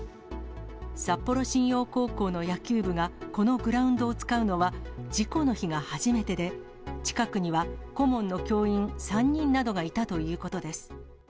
札幌新陽高校の野球部がこのグラウンドを使うのは事故の日が初めてで、近くには、顧問の教員３人などがいたということです。